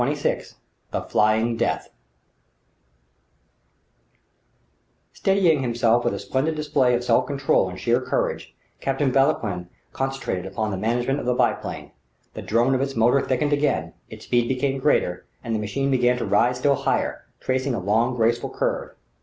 XXVI THE FLYING DEATH Steadying himself with a splendid display of self control and sheer courage, Captain Vauquelin concentrated upon the management of the biplane. The drone of its motor thickened again, its speed became greater, and the machine began to rise still higher, tracing a long, graceful curve.